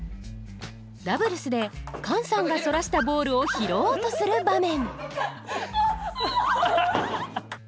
ダブルスでカンさんがそらしたボールを拾おうとする場面